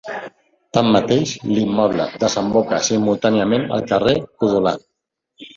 Tanmateix l'immoble desemboca simultàniament al carrer Codolar.